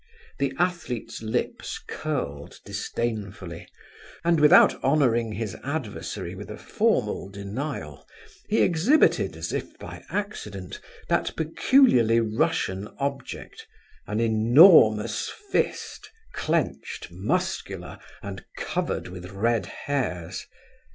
The athlete's lips curled disdainfully, and without honouring his adversary with a formal denial, he exhibited, as if by accident, that peculiarly Russian object—an enormous fist, clenched, muscular, and covered with red hairs!